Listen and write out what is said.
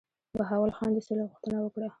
بهاول خان د سولي غوښتنه وکړه.